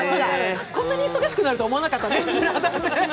こんなに忙しくなるとは思わなかったですね、「スラダン」。